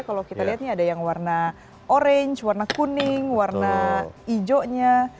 kalau kita lihat nih ada yang warna orange warna kuning warna hijaunya